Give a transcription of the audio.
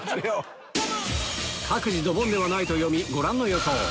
各自ドボンではないと読みご覧の予想